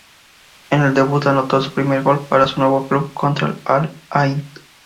En el debut, anotó su primer gol para su nuevo club contra Al-Ain.